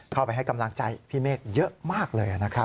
ให้กำลังใจพี่เมฆเยอะมากเลยนะครับ